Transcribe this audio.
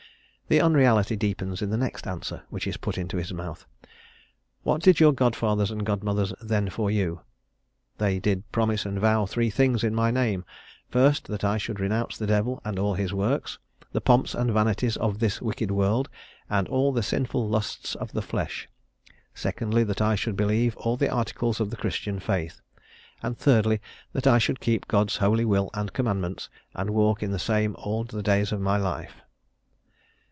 The unreality deepens in the next answer which is put into his mouth "What did your godfathers and god mothers then for you?" "They did promise and vow three things in my name: First, that I should renounce the devil and all his works, the pomps and vanities of this wicked world, and all the sinful lusts of the flesh. Secondly, that I should believe all the articles of the Christian Faith. And thirdly, that I should keep God's holy will and commandments, and walk in the same all the days of my life."